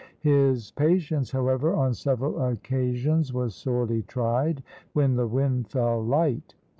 His patience, however, on several occasions was sorely tried when the wind fell light.